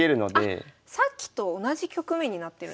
あっさっきと同じ局面になってるんですか。